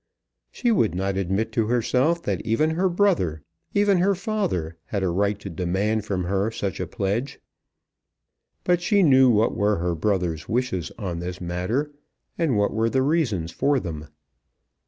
She would not admit to herself that even her brother, even her father, had a right to demand from her such a pledge. But she knew what were her brother's wishes on this matter, and what were the reasons for them.